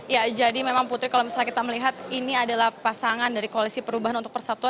ya jadi memang putri kalau misalnya kita melihat ini adalah pasangan dari koalisi perubahan untuk persatuan